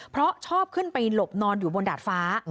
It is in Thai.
เพราะชอบขึ้นไปหลบนอนอยู่บนดาดฟ้า